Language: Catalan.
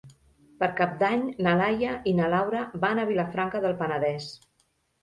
Per Cap d'Any na Laia i na Laura van a Vilafranca del Penedès.